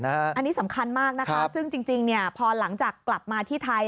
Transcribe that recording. อันนี้สำคัญมากนะคะซึ่งจริงพอหลังจากกลับมาที่ไทย